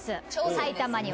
埼玉には。